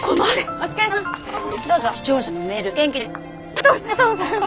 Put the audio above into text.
お疲れさま。